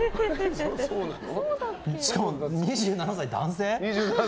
しかも２７歳男性？